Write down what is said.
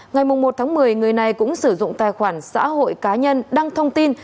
ngày một một mươi người này cũng sử dụng tài khoản xã hội cá nhân đăng thông tin